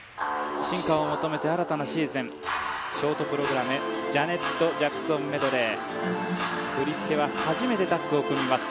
進化を求めて新たなシーズンショートプログラムジャネット・ジャクソンメドレー振り付けは初めてタッグを組みます